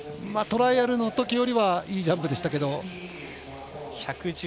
トライアルのときよりはいいジャンプでしたけど。